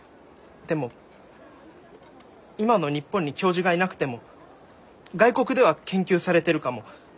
でも今の日本に教授がいなくても外国では研究されてるかも。